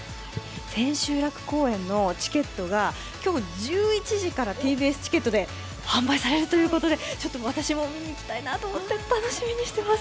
千秋楽公演のチケットが今日１１時からＴＢＳチケットで発売されるということで私も見に行きたいなと思って、楽しみにしています。